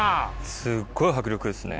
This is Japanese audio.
すっごい迫力ですね。